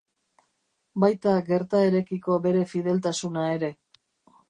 Baita gertaerekiko bere fideltasuna ere.